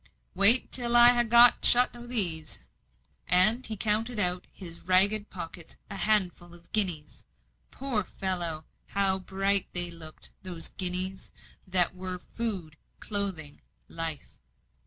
"Wait till I ha' got shut o' these." And he counted out of his ragged pockets a handful of guineas. Poor fellow! how bright they looked; those guineas, that were food, clothing, life.